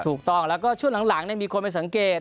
ถูกต้องแล้วก็ช่วงหลังมีคนไปสังเกต